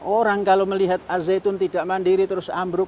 orang kalau melihat al zaitun tidak mandiri terus ambruk